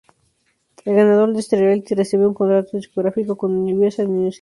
El ganador de este "reality" recibe un contrato discográfico con Universal Music.